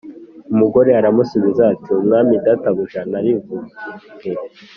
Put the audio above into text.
Umugore aramusubiza ati “Umwami databuja narivuge.”